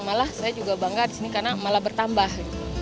malah saya juga bangga di sini karena malah bertambah